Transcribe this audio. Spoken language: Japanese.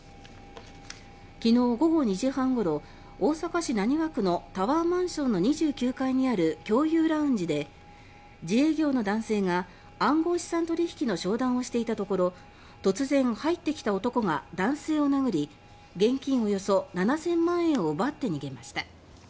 昨日午後２時半ごろ大阪市浪速区のタワーマンション２９階にある共有ラウンジで自営業の男性が、暗号資産取引の商談をしていたところ突然入ってきた男が男性を殴り現金およそ７０００万円を奪って逃げました。